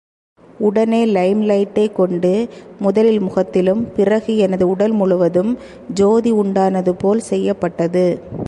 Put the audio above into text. உடனே லைம் லைட்டைக் கொண்டு முதலில் முகத்திலும், பிறகு எனது உடல் முழுவதும் ஜோதியுண்டானதுபோல் செய்யப்பட்டது.